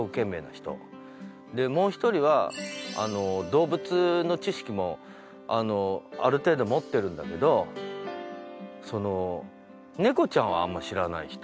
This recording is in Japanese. でもう一人は動物の知識もある程度持ってるんだけど猫ちゃんはあんま知らない人。